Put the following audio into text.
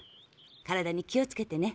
体に気をつけてね。